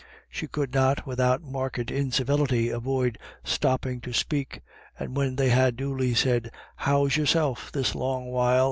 She could not, without marked incivility, avoid stopping to speak, and when they had duly said, "How's yourself this long while?"